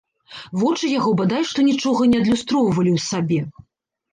Вочы яго бадай што нічога не адлюстроўвалі ў сабе.